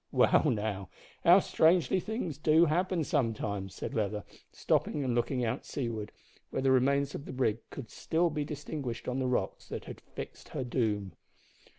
"Well now, how strangely things do happen sometimes!" said Leather, stopping and looking out seaward, where the remains of the brig could still be distinguished on the rocks that had fixed her doom.